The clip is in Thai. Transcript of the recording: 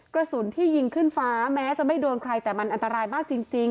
กระสุนที่ยิงขึ้นฟ้าแม้จะไม่โดนใครแต่มันอันตรายมากจริง